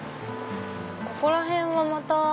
ここら辺はまた。